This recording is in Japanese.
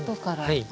はい。